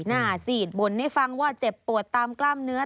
หน้าซีดบ่นให้ฟังว่าเจ็บปวดตามกล้ามเนื้อ